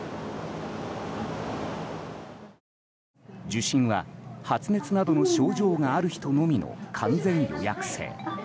受診は発熱などの症状がある人のみの完全予約制。